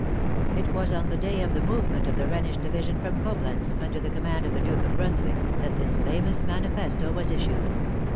It was on the day of the movement of the Rhenish division from Coblentz, under the command of the Duke of Brunswick, that this famous manifesto was issued.